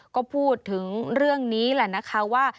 ก็พูดถึงเรื่องนี้แหละนะคะว่า